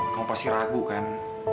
kamu pasti ragu kan